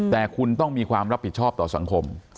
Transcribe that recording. แต่คุณต้องมีความรับผิดชอบต่อสังคม